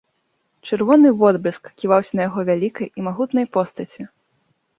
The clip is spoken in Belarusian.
Чырвоны водбліск ківаўся на яго вялікай і магутнай постаці.